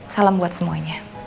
salam buat semuanya